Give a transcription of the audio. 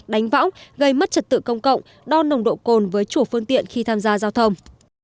đánh võng gây mất trật tự công cộng đo nồng độ cồn với chủ phương tiện khi tham gia giao thông